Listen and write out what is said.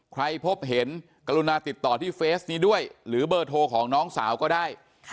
พบเห็นกรุณาติดต่อที่เฟสนี้ด้วยหรือเบอร์โทรของน้องสาวก็ได้